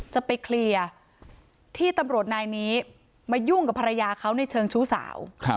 จะไปเคลียร์ที่ตำรวจนายนี้มายุ่งกับภรรยาเขาในเชิงชู้สาว